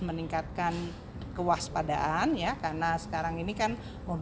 melakukan misi menggantung tentara syarikat yang di anybody